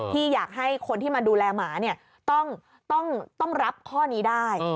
ที่อยากให้คนที่มาดูแลหมาต้องรับข้อนี้ได้